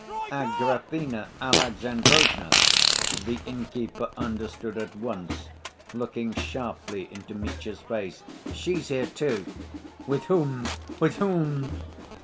"Agrafena Alexandrovna?" The inn‐keeper understood at once, looking sharply into Mitya's face. "She's here, too ..." "With whom? With whom?"